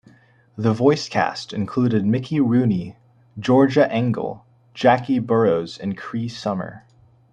The voice cast included Mickey Rooney, Georgia Engel, Jackie Burroughs and Cree Summer.